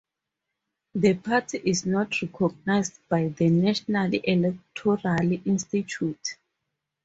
The party is not recognized by the National Electoral Institute.